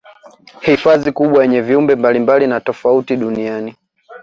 Hifadhi kubwa yenye viumbe mbalimbali na tofauti duniani